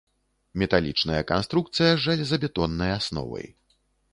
Металічная канструкцыя, з жалезабетоннай асновай.